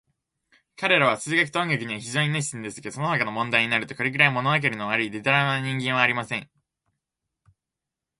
彼等は数学と音楽には非常に熱心ですが、そのほかの問題になると、これくらい、ものわかりの悪い、でたらめな人間はありません。